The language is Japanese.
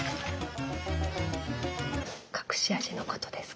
隠し味のことですか？